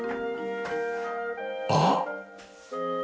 あっ！